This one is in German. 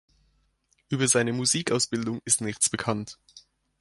Über seine Musikausbildung ist nichts bekannt.